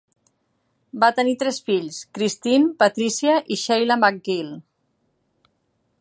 Va tenir tres fills, Christine, Patricia i Sheila MacGill.